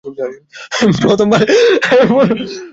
প্রথমবারের মতো, আমি সব গুলিয়ে দেয়ার আগে।